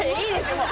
もう。